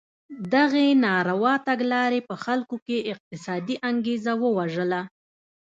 دغې ناروا تګلارې په خلکو کې اقتصادي انګېزه ووژله.